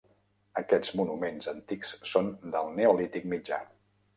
Aquests monuments antics són del Neolític mitjà.